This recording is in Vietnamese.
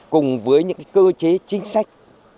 cùng với những cơ chế chính sách